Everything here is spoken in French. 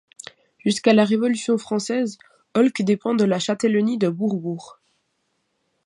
Jusqu'à la Révolution française, Holque dépend de la châtellenie de Bourbourg.